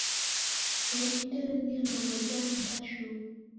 W'ulindiri ni ilagho ja henga shuu.